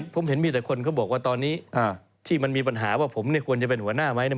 ผมเห็นมีแต่คนเขาบอกว่าตอนนี้ที่มันมีปัญหาว่าผมเนี่ยควรจะเป็นหัวหน้าไหมเนี่ย